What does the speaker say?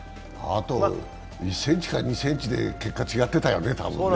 あと１ｃｍか２ｃｍで結果が違ってたよね。